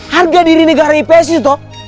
harga diri negara ips itu